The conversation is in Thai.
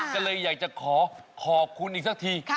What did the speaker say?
ก็เลยอยากจะขอขอบคุณอีกสักที